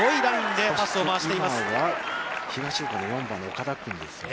今は東福岡の４番の岡田君ですね。